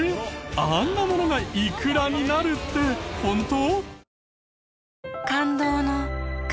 あんなものがイクラになるって本当？